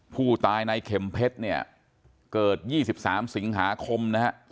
ผู้ตายในเข็มเพชรเนี่ยเกิด๒๓สิงหาคมนะฮะ